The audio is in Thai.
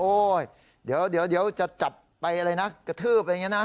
เดี๋ยวจะจับไปอะไรนะกระทืบอะไรอย่างนี้นะ